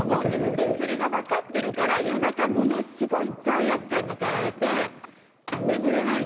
でそれが分かってるから夜中ものすごい罪悪感に駆られて眠れないんですよ。